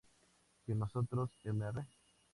Que nosotros "Mr.